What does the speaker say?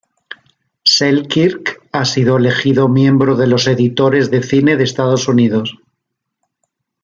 Selkirk ha sido elegido miembro de los Editores de Cine de Estados Unidos.